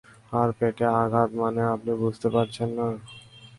আর পেটে আঘাত মানে আপনি বুঝতে পারছেন না?